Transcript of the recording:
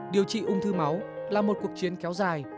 điều trị ung thư máu là một cuộc chiến kéo dài